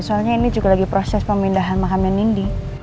soalnya ini juga lagi proses pemindahan mahamin nindi